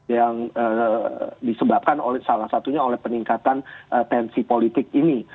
yang disebabkan oleh salah satunya oleh peningkatan tensi politik ini